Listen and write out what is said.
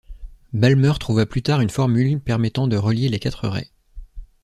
Balmer trouva plus tard une formule permettant de relier les quatre raies.